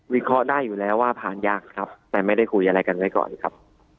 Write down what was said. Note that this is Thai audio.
เคราะห์ได้อยู่แล้วว่าผ่านยากครับแต่ไม่ได้คุยอะไรกันไว้ก่อนครับ